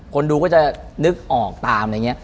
คนดูก็จะนึกออกตามอะไรอย่างนี้